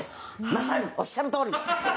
まさにおっしゃるとおり！